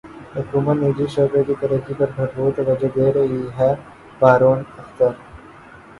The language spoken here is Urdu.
حکومت نجی شعبے کی ترقی پر بھرپور توجہ دے رہی ہے ہارون اختر